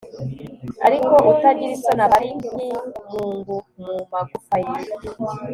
ariko utagira isoni aba ari nk'imungu mu magufa ye